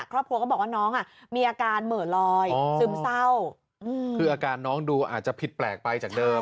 ครอบครัวก็บอกว่าน้องอ่ะมีอาการเหมือลอยซึมเศร้าคืออาการน้องดูอาจจะผิดแปลกไปจากเดิม